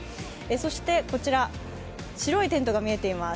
そしてこちら、白いテントが見えています。